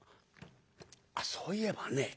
あっそういえばね